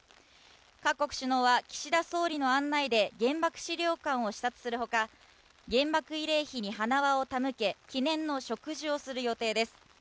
各国首脳は岸田総理の案内で原爆資料館を視察するほか、原爆慰霊碑に花輪を手向け記念の植樹をする予定です。